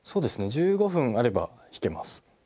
１５分あれば弾けます。